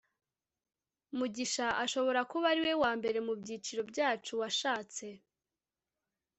mugisha ashobora kuba ariwe wambere mubyiciro byacu washatse